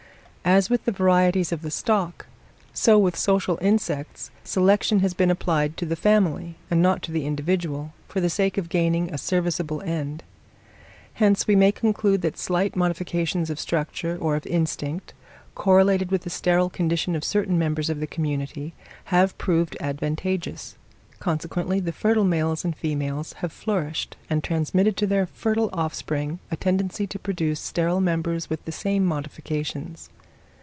As with the varieties of the stock, so with social insects, selection has been applied to the family, and not to the individual, for the sake of gaining a serviceable end. Hence, we may conclude that slight modifications of structure or of instinct, correlated with the sterile condition of certain members of the community, have proved advantageous; consequently the fertile males and females have flourished, and transmitted to their fertile offspring a tendency to produce sterile members with the same modifications.